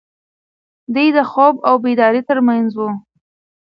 دی د خوب او بیدارۍ تر منځ و.